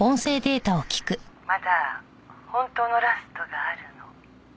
「まだ本当のラストがあるの」